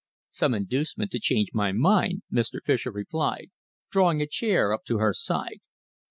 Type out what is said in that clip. "Some inducement to change my mind," Mr. Fischer replied, drawing a chair up to her side.